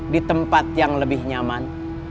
di tempat yang lebih nyaman